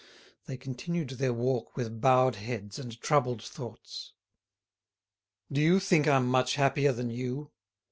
They continued their walk with bowed heads and troubled thoughts. "Do you think I'm much happier than you?"